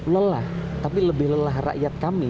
lelah tapi lebih lelah rakyat kami